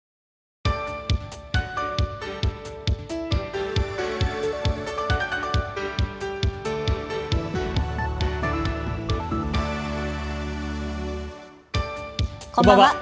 こんばんは。